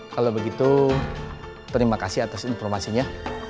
kalau begitu terima kasih atas informasinya